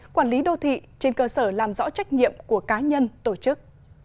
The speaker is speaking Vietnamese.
quản lý đô thị trên cơ sở làm rõ trách nhiệm của cá nhân tổ chức